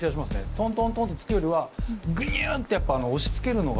トントントンってつくよりはグニュってやっぱ押しつけるのが。